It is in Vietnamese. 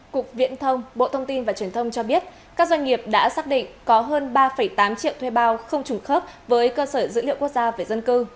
cục viễn thông bộ thông tin và truyền thông cho biết các doanh nghiệp đã xác định có hơn ba tám triệu thuê bao không trùng khớp với cơ sở dữ liệu quốc gia về dân cư